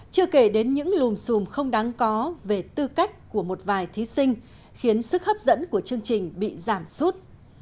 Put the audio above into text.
chưa kể đến những lùm xùm không đáng có về tư cách của một vài thí sinh khiến sức hấp dẫn của chương trình bị giảm sút